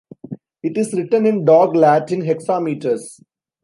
It is written in Dog Latin hexameters.